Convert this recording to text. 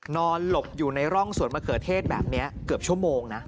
หลบอยู่ในร่องสวนมะเขือเทศแบบนี้เกือบชั่วโมงนะ